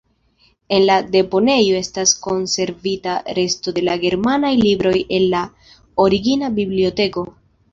En la deponejo estas konservita resto de la germanaj libroj el la origina biblioteko.